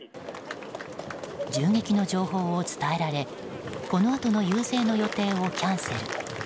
銃撃の情報を伝えられこの後の遊説の予定をキャンセル。